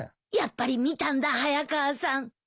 やっぱり見たんだ早川さん。